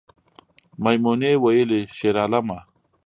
میمونۍ ویلې شیرعالمه